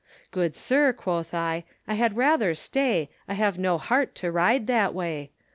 Good sir, quoth I, I had rather stay, I have no heart to ride that way.